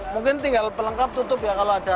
mungkin tinggal pelengkap tutup ya kalau ada